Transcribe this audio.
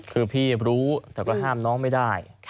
คือพี่รู้แต่ก็ห้ามน้องไม่ได้